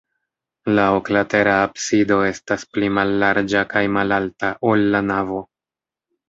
La oklatera absido estas pli mallarĝa kaj malalta, ol la navo.